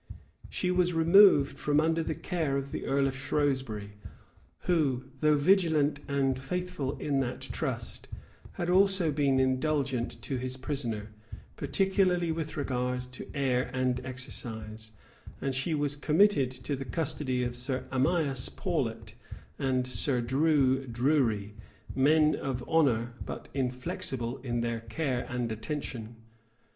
She was removed from under the care of the earl of Shrewsbury, who, though vigilant and faithful in that trust, had also been indulgent to his prisoner, particularly with regard to air and exercise; and she was committed to the custody of Sir Amias Paulet and Sir Drue Drury; men of honor, but inflexible in their care and attention.